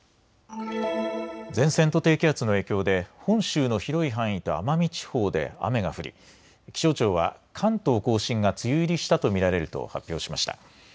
前線と低気圧の影響で本州の広い範囲と奄美地方で雨が降り気象庁は関東甲信が梅雨入りしたと見られると発表しました。